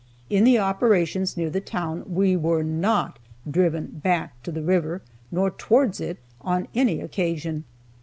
In the operations near the town, we were not driven "back to the river," nor towards it, on any occasion.